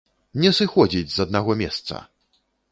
Не сыходзіць з аднаго месца!